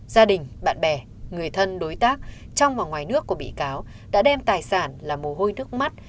gia đình bạn bè người thân đối tác trong và ngoài nước của bị cáo đã đem tài sản là mồ hôi nước mắt